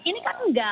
ini kan enggak